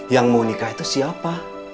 yang mau nikah itu siapa